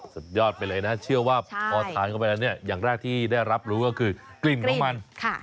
สุดยอดไปเลยนะเชื่อว่าพอทานเข้าไปแล้วเนี่ยอย่างแรกที่ได้รับรู้ก็คือกลิ่นของมัน